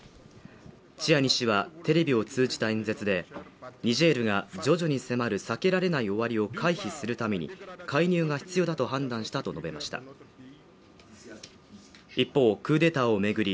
チアニ氏はテレビを通じた演説でニジェールが徐々に迫る避けられない終わりを回避するために介入が必要だと判断したと述べました一方クーデターを巡り